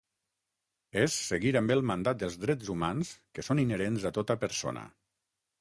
És seguir amb el mandat dels drets humans que són inherents a tota persona.